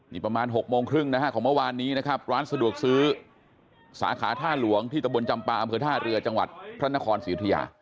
นี่ประมาณ๖โมงครึ่งนะฮะของเมื่อวานนี้นะครับร้านสะดวกซื้อสาขาท่าหลวงที่ตะบนจำปาอำเภอท่าเรือจังหวัดพระนครศรีอุทยา